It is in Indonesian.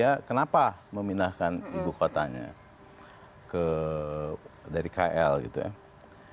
ya kenapa memindahkan ibu kotanya dari kl gitu ya